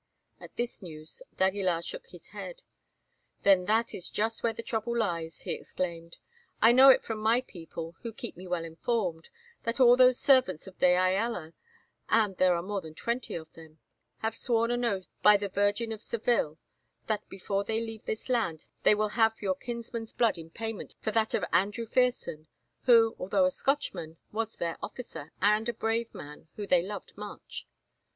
At this news d'Aguilar shook his head. "Then that is just where the trouble lies," he exclaimed. "I know it from my people, who keep me well informed, that all those servants of de Ayala, and there are more than twenty of them, have sworn an oath by the Virgin of Seville that before they leave this land they will have your kinsman's blood in payment for that of Andrew Pherson, who, although a Scotchman, was their officer, and a brave man whom they loved much.